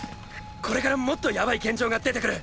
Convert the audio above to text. これからもっとやばい現場が出てくる。